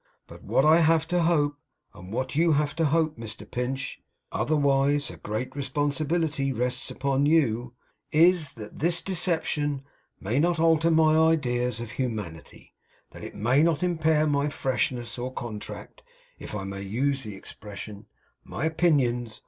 But what I have to hope, and what you have to hope, Mr Pinch (otherwise a great responsibility rests upon you), is, that this deception may not alter my ideas of humanity; that it may not impair my freshness, or contract, if I may use the expression, my Pinions.